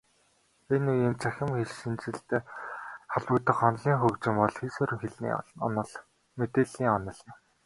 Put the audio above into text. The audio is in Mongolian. Энэ үеийн цахим хэлшинжлэлд холбогдох онолын хөгжил бол хийсвэр хэлний онол, мэдээллийн онол юм.